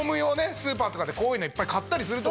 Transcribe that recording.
スーパーとかでこういうのいっぱい買ったりすると思う。